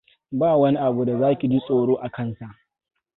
Ba wani abu da za ki ji tsoro a kansa.